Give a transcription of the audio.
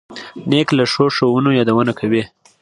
نیکه له ښو ښوونو یادونه کوي.